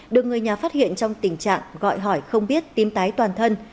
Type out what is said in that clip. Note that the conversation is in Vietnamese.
được người nhà phát hiện trong tình trạng gọi hỏi không biết tím tái toàn thân